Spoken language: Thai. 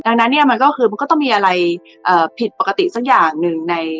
ดังนั้นเนี่ยมันก็คือมันก็ต้องมีอะไรผิดปกติสักอย่างหนึ่งใน